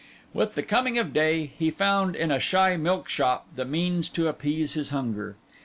With the coming of day, he found in a shy milk shop the means to appease his hunger.